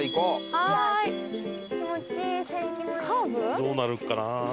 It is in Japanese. どうなるかな？